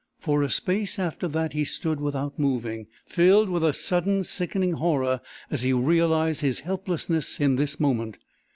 For a space after that he stood without moving, filled with a sudden, sickening horror as he realized his helplessness in this moment.